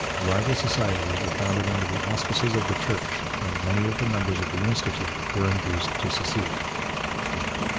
Rival societies were founded under the auspices of the Church and many of the members of the Institut were induced to secede.